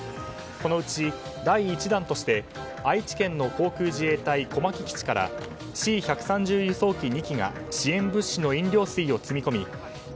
このうち、第１弾として愛知県の航空自衛隊小牧基地からＣ‐１３０輸送機２機が支援物資の飲料水を積み込み